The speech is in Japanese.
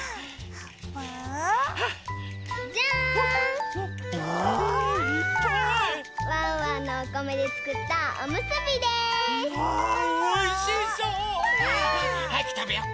はやくたべよう。